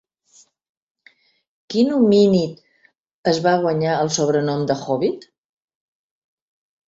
Quin homínid es va guanyar el sobrenom, de "hòbbit"?